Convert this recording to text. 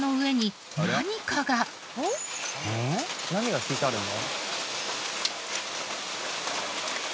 何が敷いてあるの？